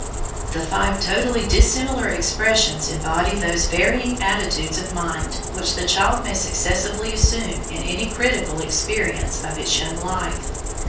The five totally dissimilar expressions embody those varying attitudes of mind which the child may successively assume in any critical experience of its young life.